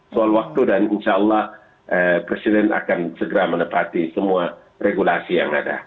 soal waktu dan insya allah presiden akan segera menepati semua regulasi yang ada